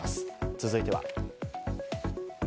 続いては。